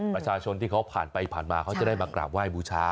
ประชาชนที่เขาผ่านไปผ่านมาเขาจะได้มากราบไหว้บูชา